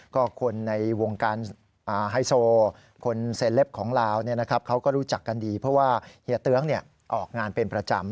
ก็คนในวงการไฮโซคนเซเลปของลาวเขาก็รู้จักกันดีเพราะว่าเฮียเตื้องออกงานเป็นประจำ